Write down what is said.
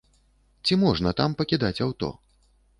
Ці можна там пакідаць аўто?